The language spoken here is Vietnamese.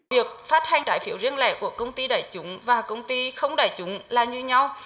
việc phát hành trái phiếu riêng lẻ của công ty đại chúng và công ty không đại chúng là như nhau